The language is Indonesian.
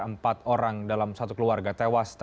empat orang dalam satu keluarga tewas